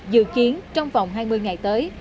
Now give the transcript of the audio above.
dự kiến trong vòng hai mươi ngày tới